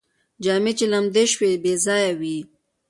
جامې چې لمدې شوې وې، بې ځایه وې